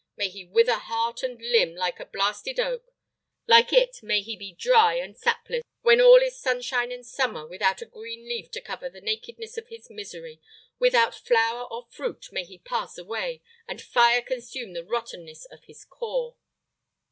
May he wither heart and limb like a blasted oak! like it, may he be dry and sapless, when all is sunshine and summer, without a green leaf to cover the nakedness of his misery; without flower or fruit may he pass away, and fire consume the rottenness of his core!"